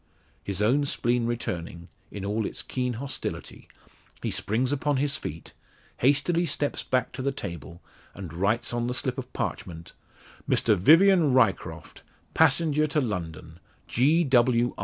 His own spleen returning, in all its keen hostility, he springs upon his feet, hastily steps back to the table, and writes on the slips of parchment Mr Vivian Ryecroft, Passenger to London, _G.W.